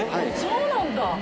そうなんだ。